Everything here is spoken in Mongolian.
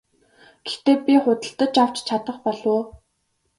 Гэхдээ би худалдаж авч чадах болов уу?